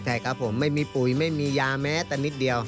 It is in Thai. ใช่ครับผมไม่มีปุ๋ยไม่มียาแม้แต่นิดเดียว